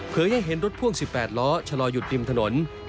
ให้เห็นรถพ่วง๑๘ล้อชะลออยู่ริมถนน